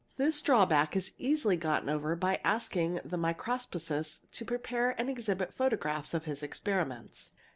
This drawback is easily got over by asking the microscopist to prepare and exhibit photographs of his experiments.